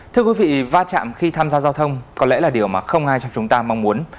thì va chạm khi tham gia giao thông có lẽ là điều mà không ai trong chúng ta mong muốn